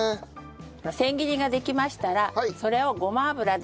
千切りができましたらそれをごま油で炒めます。